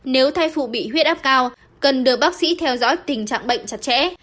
nếu thai phụ bị huyết áp cao cần được bác sĩ theo dõi tình trạng bệnh chặt chẽ